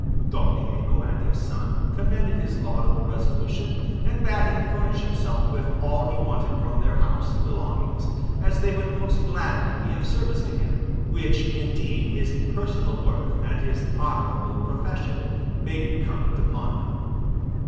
Don Diego and his son commended his laudable resolution, and bade him furnish himself with all he wanted from their house and belongings, as they would most gladly be of service to him; which, indeed, his personal worth and his honourable profession made incumbent upon them.